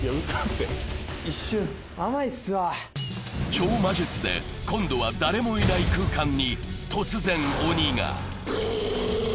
超魔術で今度は誰もいない空間に突然鬼が。